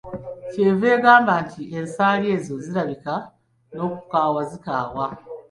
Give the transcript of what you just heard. Ky'eva egamba nti, ensaali ezo zirabika n'okukaawa zikaawa.